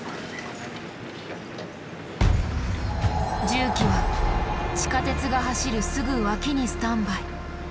重機は地下鉄が走るすぐ脇にスタンバイ。